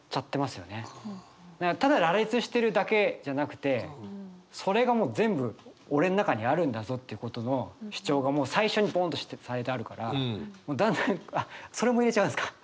ただ羅列してるだけじゃなくてそれがもう全部俺の中にあるんだぞってことの主張が最初にボンとされてあるからだんだんあっそれも入れちゃうんすか